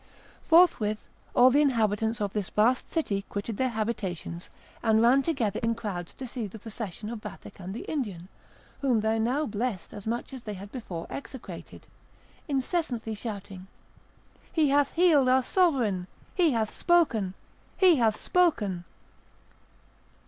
Forthwith all the inhabitants of this vast city quitted their habitations, and ran together in crowds to see the procession of Vathek and the Indian, whom they now blessed as much as they had before execrated, incessantly shouting: "He hath healed our sovereign; he hath spoken! he hath spoken!"